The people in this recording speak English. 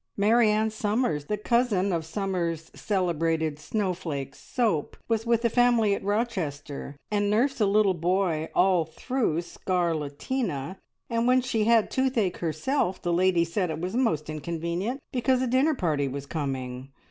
Marianne Summers, the cousin of Summers' Celebrated Snowflake Soap, was with a family at Rochester, and nursed a little boy all through scarlatina, and when she had toothache herself the lady said it was most inconvenient because a dinner party was coming.